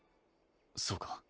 そうか。